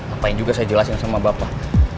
apa yang juga saya jelasin sama bapak